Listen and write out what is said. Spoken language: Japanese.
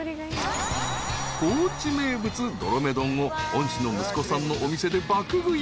［高知名物どろめ丼を恩師の息子さんのお店で爆食い。